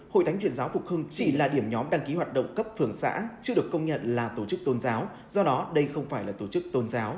hội thánh truyền giáo phục hưng chỉ là điểm nhóm đăng ký hoạt động cấp phường xã chưa được công nhận là tổ chức tôn giáo do đó đây không phải là tổ chức tôn giáo